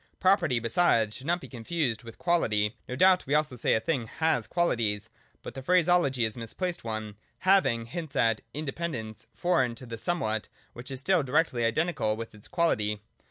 Property, besides, should not be confused with quality. No doubt, we also say, a thing has qualities. But the phraseology is a misplaced one :' having ' hints at an in dependence, foreign to the ' Somewhat,' which is still directly identical with its quality.